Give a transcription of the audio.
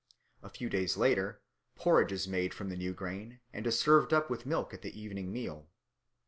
A few days later porridge is made from the new grain and served up with milk at the evening meal.